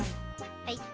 はい。